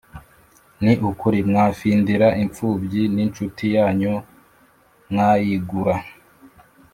ni ukuri mwafindira impfubyi, n’incuti yanyu mwayigura